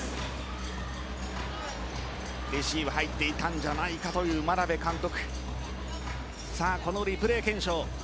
レシーブが入っていたんじゃないかという眞鍋監督。